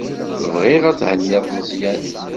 Bɣiɣ ad thenniḍ Meẓyan.